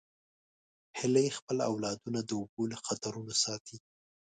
هیلۍ خپل اولادونه د اوبو له خطرونو ساتي